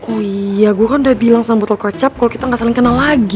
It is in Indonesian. oh iya gue kan udah bilang sama botol kecap kalau kita gak saling kenal lagi